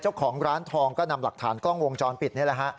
เจ้าของร้านทองก็นำหลักฐานกล้องวงจรปิดนี่แหละฮะ